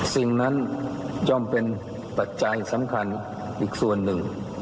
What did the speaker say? สิ่งนั้นย่อมเป็นปัจจัยสำคัญอีกส่วนหนึ่ง